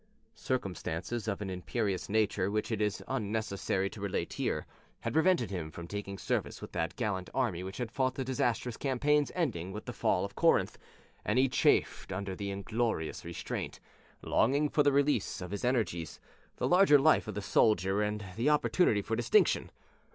Circumstances of an imperious nature, which it is unnecessary to relate here, had prevented him from taking service with the gallant army that had fought the disastrous campaigns ending with the fall of Corinth, and he chafed under the inglorious restraint, longing for the release of his energies, the larger life of the soldier, the opportunity for distinction.